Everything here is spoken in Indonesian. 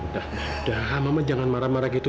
udah udah mama jangan marah marah gitu